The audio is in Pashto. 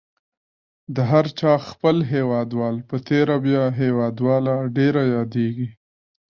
د هر چا خپل هیوادوال په تېره بیا هیوادواله ډېره یادیږي.